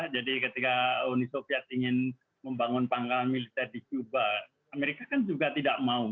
ketika uni soviet ingin membangun pangkalan militer di quba amerika kan juga tidak mau